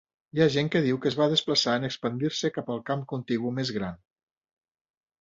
Hi ha gent que diu que es va desplaçar en expandir-se cap al camp contigu més gran.